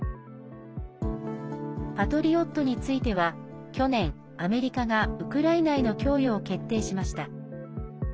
「パトリオット」については去年、アメリカがウクライナへの供与を決定しました。